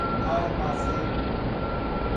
Armazém